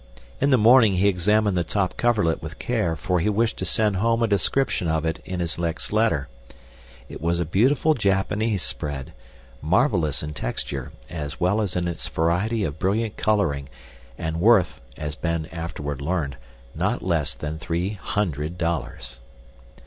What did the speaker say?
In the morning he examined the top coverlet with care, for he wished to send home a description of it in his next letter. It was a beautiful Japanese spread, marvelous in texture as well as in its variety of brilliant coloring, and worth, as Ben afterward learned, not less than three hundred dollars.